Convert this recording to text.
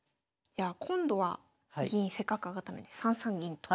じゃあ今度は銀せっかく上がったので３三銀と。